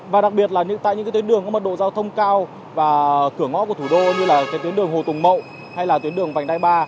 và đặc biệt là tại những tuyến đường có mật độ giao thông cao và cửa ngõ của thủ đô như là cái tuyến đường hồ tùng mậu hay là tuyến đường vành đai ba